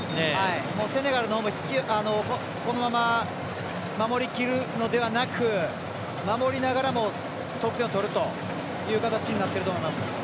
セネガルのほうも、このまま守りきるのではなく守りながらも得点を取るという形になっていると思います。